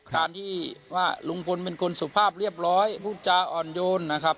การที่ว่าลุงพลเป็นคนสุภาพเรียบร้อยพูดจาอ่อนโยนนะครับ